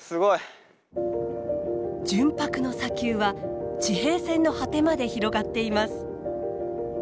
純白の砂丘は地平線の果てまで広がっています。